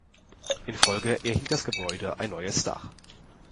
In Folge erhielt das Gebäude ein neues Dach.